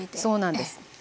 そうなんです。